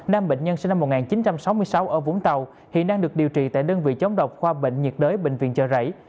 nam bệnh nhân sinh năm một nghìn chín trăm sáu mươi sáu ở vũng tàu hiện đang được điều trị tại đơn vị chống độc khoa bệnh nhiệt đới bệnh viện chợ rẫy